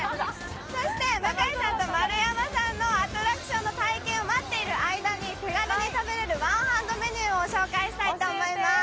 そして向井さんと丸山さんのアトラクションの体験を待っている間に手軽に食べられるワンハンドメニューを紹介したいと思います。